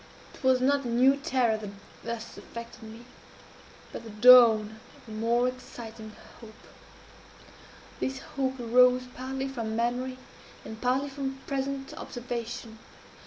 "It was not a new terror that thus affected me, but the dawn of a more exciting hope. This hope arose partly from memory, and partly from present observation.